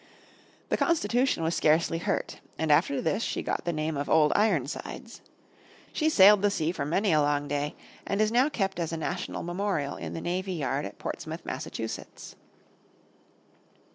The Constitution was scarcely hurt, and after this she got the name of Old Ironsides. She sailed the seas for many a long day, and is now kept as a national memorial in the navy yard at Portsmouth, Mass.